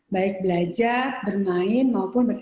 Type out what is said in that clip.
baik belajar bermain maupun